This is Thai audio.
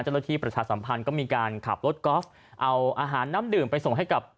ประชาสัมพันธ์ก็มีการขับรถกอล์ฟเอาอาหารน้ำดื่มไปส่งให้กับ